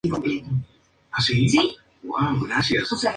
Participó en tres ediciones de la prueba ciclista francesa.